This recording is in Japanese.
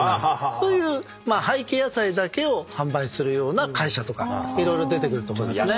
そういう廃棄野菜だけを販売するような会社とか色々出てくると思いますね。